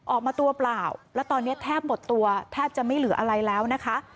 ออกมาตัวเปล่าแล้วตอนนี้แทบหมดตัวแทบจะไม่เหลืออะไรแล้วนะคะ